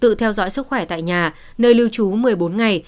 tự theo dõi sức khỏe tại nhà nơi lưu trú một mươi bốn ngày